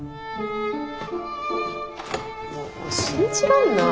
もう信じらんない。